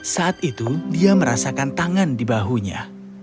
saat itu dia merasakan tangan di bahunya